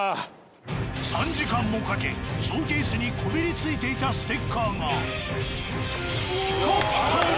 ３時間もかけショーケースにこびりついていたステッカーがピカピカに。